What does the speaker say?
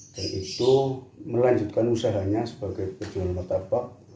dan itu melanjutkan usahanya sebagai pejual martabak